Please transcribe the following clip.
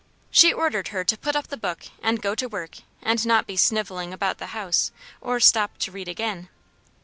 She ordered her to put up the book, and go to work, and not be snivelling about the house, or stop to read again.